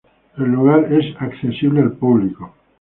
El lugar es accesible al público.